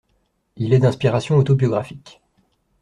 Il est d'inspiration autobiographique.